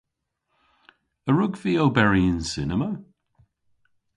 A wrug vy oberi yn cinema?